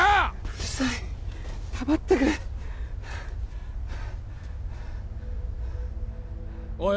うるさい黙ってくれおい